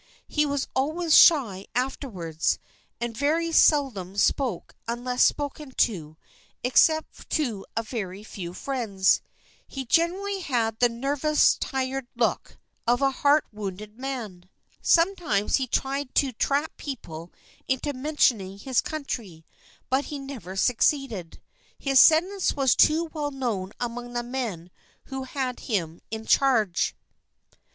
He was always shy afterwards and very seldom spoke unless spoken to, except to a very few friends. He generally had the nervous, tired look of a heart wounded man. Sometimes he tried to trap people into mentioning his country, but he never succeeded; his sentence was too well known among the men who had him in charge.